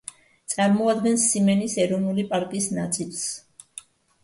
წარმოადგენს სიმენის ეროვნული პარკის ნაწილს.